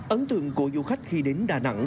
ấn tượng của du khách khi đến đà nẵng